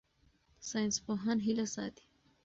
ساینسپوهان هیله ساتي.